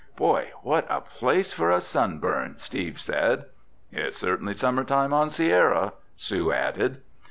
"Boy, what a place for a sunburn!" Steve said. "It's certainly summertime on Sierra!" Sue added.